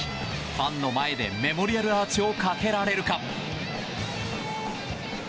ファンの前でメモリアルアーチをかけられるか。